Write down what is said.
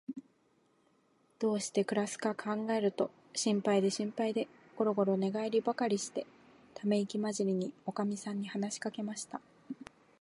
どうしてくらすかかんがえると、心配で心配で、ごろごろ寝がえりばかりして、ためいきまじりに、おかみさんに話しかけました。